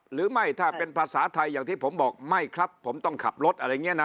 หรือไม่ถ้าเป็นภาษาไทยอย่างที่ผมบอกไม่ครับผมต้องขับรถอะไรอย่างนี้นะ